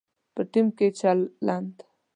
په ټیم کې چلند